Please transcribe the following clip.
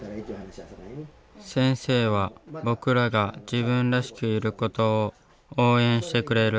先生は僕らが自分らしくいることを応援してくれる。